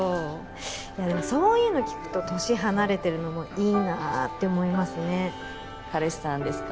いやでもそういうの聞くと年離れてるのもいいなって思いますね彼氏さんですか？